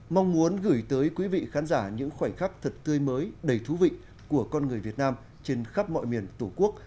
mong muốn gửi tới quý vị khán giả những khoảnh khắc thật tươi mới đầy thú vị của con người việt nam trên khắp mọi miền tổ quốc